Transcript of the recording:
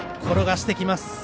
転がしてきます。